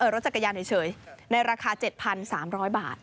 รถจักรยานเฉยในราคา๗๓๐๐บาท